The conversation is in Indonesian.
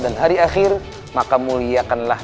dan hari akhir maka muliakanlah